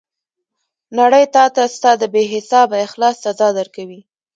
نړۍ تاته ستا د بې حسابه اخلاص سزا درکوي.